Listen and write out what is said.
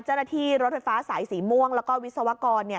เจ้าหน้าที่รถไฟฟ้าสายสีม่วงแล้วก็วิศวกรเนี่ย